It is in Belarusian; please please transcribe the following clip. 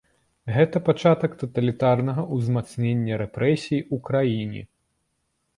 Гэта пачатак таталітарнага ўзмацнення рэпрэсій у краіне.